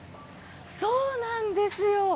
そうなんですよ。